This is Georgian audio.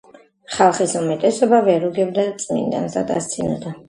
ხალხის უმეტესობა ვერ უგებდა წმიდანს და დასცინოდა.